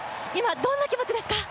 どんな気持ちですか？